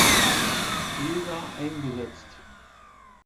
Desa eingesetzt.